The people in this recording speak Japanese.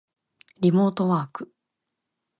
リモートワーク